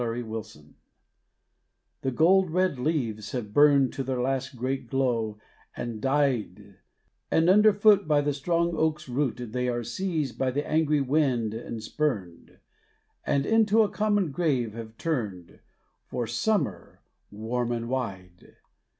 IN AUTUMN The gold red leaves have burned To their last great glow, and died And underfoot By the strong oak's root They are seized by the angry wind and spurned And into a common grave have turned For Summer warm and wide.